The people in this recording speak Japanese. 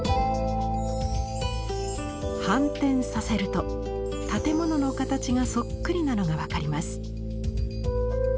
反転させると建物の形がそっくりなのが分かります。